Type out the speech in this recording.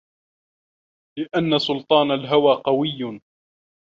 لِأَنَّ سُلْطَانَ الْهَوَى قَوِيٌّ